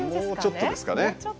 もうちょっとですかね。